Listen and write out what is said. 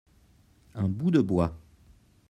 un bout de bois.